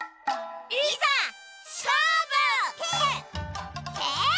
いざしょうぶ！てい！